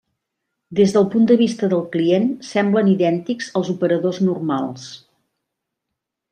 Des del punt de vista del client, semblen idèntics als operadors normals.